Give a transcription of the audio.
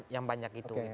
yang banyak itu